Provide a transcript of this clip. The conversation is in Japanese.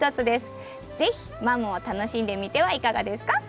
是非マムを楽しんでみてはいかがですか？